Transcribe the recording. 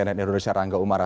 di indonesia rangga umara